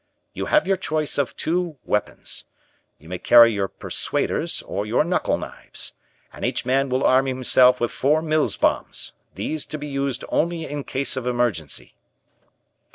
You have your choice of two weapons you may carry your 'persuaders' or your knuckle knives, and each man will arm himself with four Mills bombs, these to be used only in case of emergency."